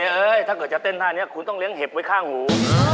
เอ้ยถ้าเกิดจะเต้นท่านี้คุณต้องเลี้ยงเห็บไว้ข้างหู